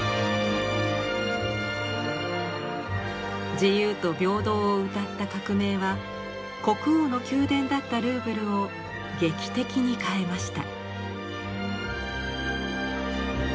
自由と平等をうたった革命は国王の宮殿だったルーブルを劇的に変えました。